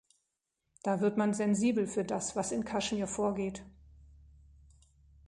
Da wird man sensibel für das, was in Kaschmir vorgeht.